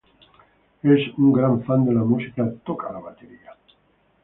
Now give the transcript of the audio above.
Es un gran fan de la música, toca la batería.